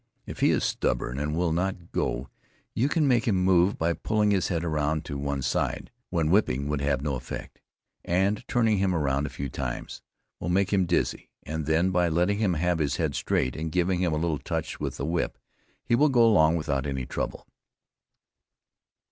If he is stubborn and will not go you can make him move by pulling his head around to one side, when whipping would have no effect. And turning him around a few times will make him dizzy, and then by letting him have his head straight, and giving him a little touch with the whip, he will go along without any trouble.